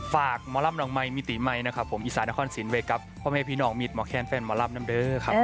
ฝากหมอรัมน้องมีตีใหม่นะครับผมอีสานนครสินไว้กับพ่อแม่พี่น้องมิดหมอแค้นแฟนหมอรัมน้ำเด้อครับผม